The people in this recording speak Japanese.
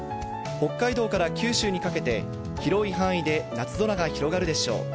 北海道から九州にかけて広い範囲で夏空が広がるでしょう。